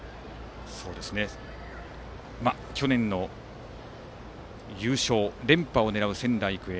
去年の優勝、連覇を狙う仙台育英。